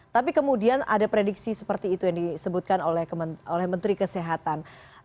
tapi kemudian ada prediksi seperti itu yang disebutkan oleh menteri kesehatan